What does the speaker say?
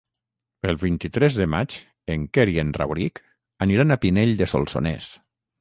El vint-i-tres de maig en Quer i en Rauric aniran a Pinell de Solsonès.